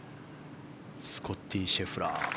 スコッティ・シェフラー。